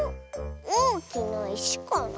おおきないしかな？